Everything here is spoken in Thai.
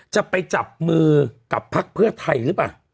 จะไปจับมือกับพักเพื่อไทยหรือเปล่า